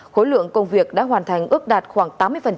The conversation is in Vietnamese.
khối lượng công việc đã hoàn thành ước đạt khoảng tám mươi